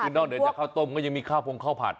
ซึ่งนอกเดียวจากข้าวต้มยังมีข้าวพร้อมข้าวผัด